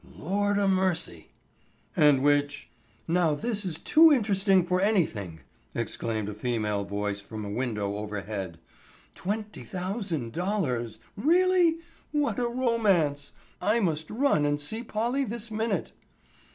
"Lord a mercy!" "And which——" "Now this is too interesting for anything," exclaimed a female voice from a window overhead. "Twenty thousand dollars, really? What a romance. I must run and see Polly this minute."